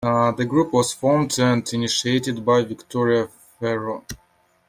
The group was formed and initiated by Victoria Ferro.